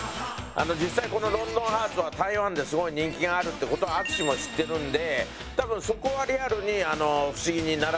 実際この『ロンドンハーツ』は台湾ですごい人気があるって事を淳も知ってるんで多分そこはリアルに不思議にならないと思いますね。